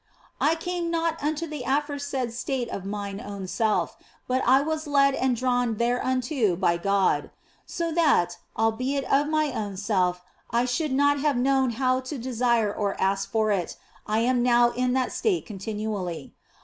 I came not unto that aforesaid state of mine own self, but I was led and drawn thereunto by God ; so that, albeit of mine own self I should not have known how to desire or ask for it, I am now in that state continually.